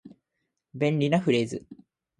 便利なフレーズ